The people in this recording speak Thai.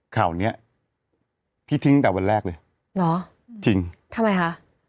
ข่าวเนี้ยพี่ทิ้งตั้งแต่วันแรกเลยเหรอจริงทำไมคะ